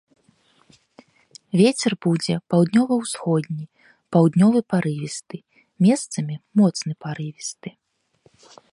Вецер будзе паўднёва-ўсходні, паўднёвы парывісты, месцамі моцны парывісты.